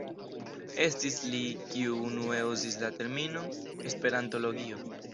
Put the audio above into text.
Estis li, kiu unue uzis la terminon "esperantologio".